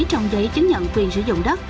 trong giấy chứng nhận quyền sử dụng đất